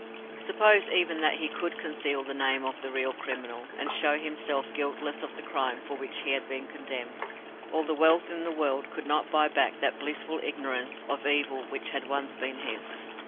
Suppose even that he could conceal the name of the real criminal, and show himself guiltless of the crime for which he had been condemned, all the wealth in the world could not buy back that blissful ignorance of evil which had once been his.